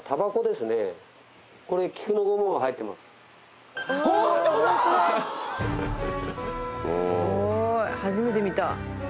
すごい初めて見た。